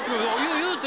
言うて？